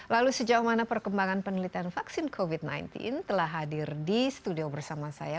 lalu sejauh mana perkembangan penelitian vaksin covid sembilan belas telah hadir di studio bersama saya